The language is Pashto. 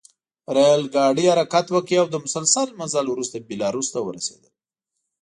ریل ګاډي حرکت وکړ او له مسلسل مزل وروسته بیلاروس ته ورسېدل